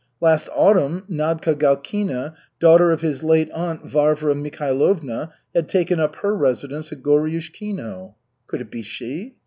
Last autumn Nadka Galkina, daughter of his late aunt Varvara Mikhailovna, had taken up her residence at Goryushkino. Could it be she?